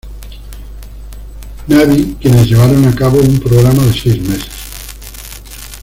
Navy, quienes llevaron a cabo un programa de seis meses.